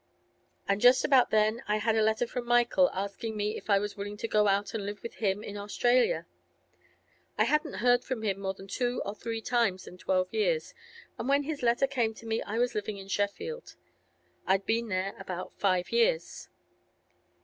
And just about then I had a letter from Michael, asking me if I was willing to go out and live with him in Australia. I hadn't heard from him more than two or three times in twelve years, and when this letter came to me I was living in Sheffield; I'd been there about five years.